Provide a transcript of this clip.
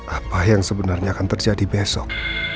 apa yang sebenarnya akan terjadi besok